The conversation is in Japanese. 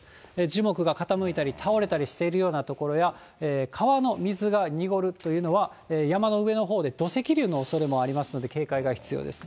樹木が傾いたり倒れたりしているような所や、川の水が濁るというのは、山の上のほうで土石流のおそれもありますので、警戒が必要です。